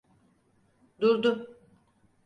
Durdu.